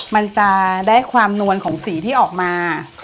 มันจะได้ความนวลของสีที่ออกมา